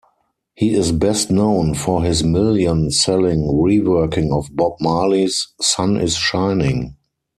He is best known for his million-selling reworking of Bob Marley's Sun Is Shining.